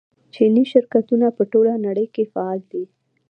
چیني شرکتونه په ټوله نړۍ کې فعال دي.